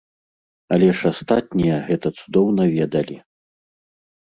Але ж астатнія гэта цудоўна ведалі!